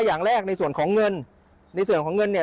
อย่างแรกในส่วนของเงินในส่วนของเงินเนี่ย